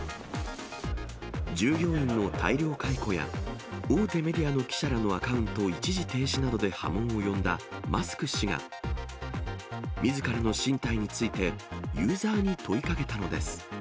従業員の大量解雇や、大手メディアの記者らのアカウントを一時停止などで波紋を呼んだマスク氏が、みずからの進退について、ユーザーに問いかけたのです。